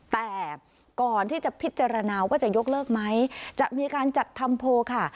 แต่ก่อนที่จะพิจารณาว่าจะยกเลิกไหมจะมีการจัดทำโพลค่ะ